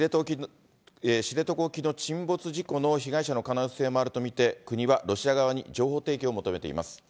知床沖の沈没事故の被害者の可能性もあると見て、国はロシア側に情報提供を求めています。